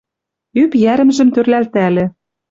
Ӱп йӓрӹмжӹм тӧрлӓлтӓльӹ